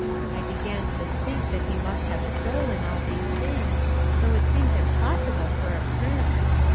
I began to think that he must have stolen all these things, though it seemed impossible for a prince.